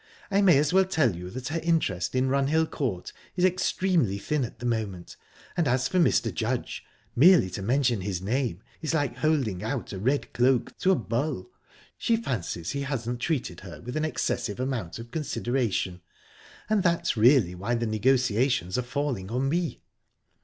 I may as well tell you that her interest in Runhill Court is extremely thin at the moment, and as for Mr. Judge merely to mention his name is like holding out a red cloak to a bull...She fancies he hasn't treated her with an excessive amount of consideration and that's really why the negotiations are falling on me."